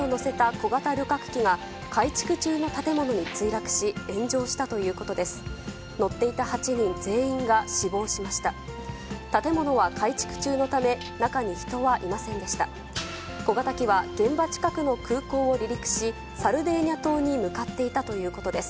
小型機は現場近くの空港を離陸し、サルデーニャ島に向かっていたということです。